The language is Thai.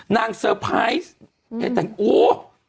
นางเซอร์ไพรส์อู้วววววว